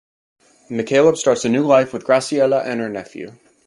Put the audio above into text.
McCaleb starts a new life with Graciella and her nephew.